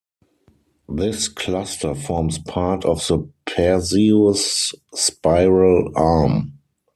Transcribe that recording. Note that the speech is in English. This cluster forms part of the Perseus Spiral Arm.